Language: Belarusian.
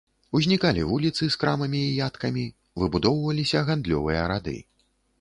Узнікалі вуліцы з крамамі і яткамі, выбудоўваліся гандлёвыя рады.